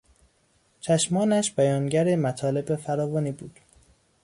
چشمانش بیانگر مطالب فراوانی بود.